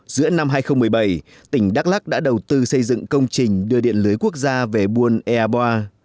giữa năm hai nghìn một mươi bảy tỉnh đắk lắc đã đầu tư xây dựng công trình đưa điện lưới quốc gia về buôn ea boa